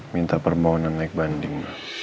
minta permohonan naik banding